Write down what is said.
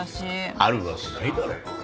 あるわけないだろ。